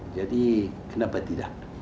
jadi kenapa tidak